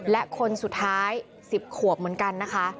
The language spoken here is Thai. และคนสุดท้าย๑๐ขวบเหมือนกันนะคะ